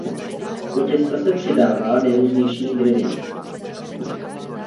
Do těsta se přidává nejrůznější ingredience.